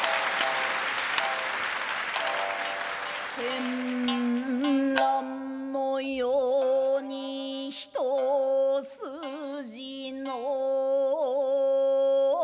「戦乱の世に一筋の」